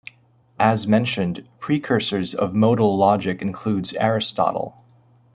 As mentioned, precursors of modal logic includes Aristotle.